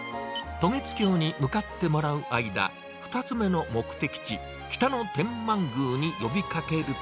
渡月橋に向かってもらう間、２つ目の目的地、北野天満宮に呼びかけると。